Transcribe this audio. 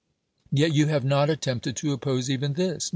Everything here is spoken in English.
Yet you have not attempted to oppose even this.